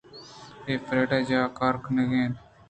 اے فریڈا ءِ جاہ ءَ کارکنگ ءَ اَت